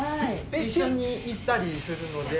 一緒に行ったりするので。